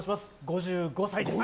５５歳です。